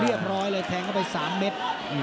เรียบร้อยเลยแทงเข้าไป๓เม็ด